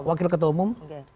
wakil ketua umum